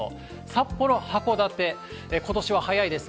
札幌、函館、ことしは早いです。